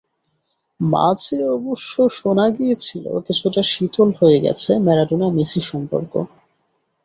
মাঝে অবশ্য শোনা গিয়েছিল, কিছুটা শীতল হয়ে গেছে ম্যারাডোনা মেসি সম্পর্ক।